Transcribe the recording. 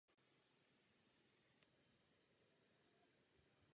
Zajímavý a dramatický je poválečný osud betléma.